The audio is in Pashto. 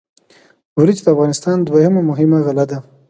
وریجې د افغانستان دویمه مهمه غله ده.